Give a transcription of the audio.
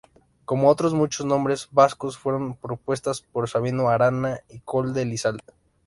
Como otros muchos nombres vascos fue propuesto por Sabino Arana y Koldo Elizalde.